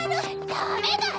ダメだよ！